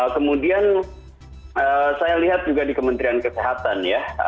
kemudian saya lihat juga di kementerian kesehatan ya